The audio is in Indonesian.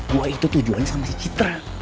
gua itu tujuannya sama si citra